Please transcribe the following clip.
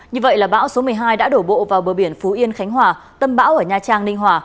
như vậy là bão số một mươi hai đã đổ bộ vào bờ biển phú yên khánh hòa tâm bão ở nha trang ninh hòa